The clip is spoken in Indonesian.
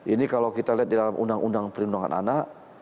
ini kalau kita lihat di dalam undang undang perlindungan anak